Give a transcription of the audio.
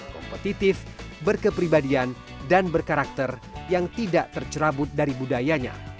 kompetitif berkepribadian dan berkarakter yang tidak tercerabut dari budayanya